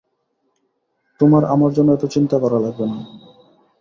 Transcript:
তোমার আমার জন্য এত চিন্তা করা লাগবে না।